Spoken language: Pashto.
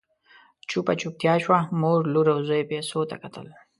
چوپه چوپتيا شوه، مور، لور او زوی پيسو ته کتل…